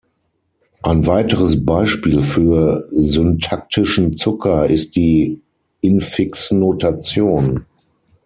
Ein weiteres Beispiel für syntaktischen Zucker ist die Infixnotation.